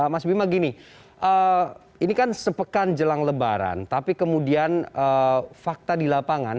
mas bima gini ini kan sepekan jelang lebaran tapi kemudian fakta di lapangan